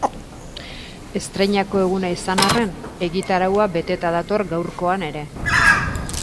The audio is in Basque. Estreinako eguna izan arren, egitaraua beteta dator gaurkoan ere.